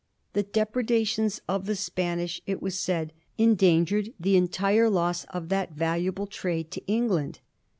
The depredations of the Spanish, it was said, endangered the entire loss of that valu able trade to England.